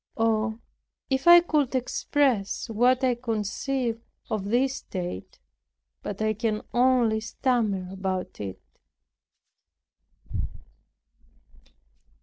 Oh, if I could but express what I conceive of this state! But I can only stammer about it.